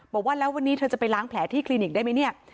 บอกว่าแล้ววันนี้เธอจะไปล้างแผลที่คลินิกได้ไหมเนี่ย